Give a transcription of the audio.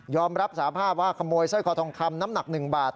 รับสาภาพว่าขโมยสร้อยคอทองคำน้ำหนัก๑บาท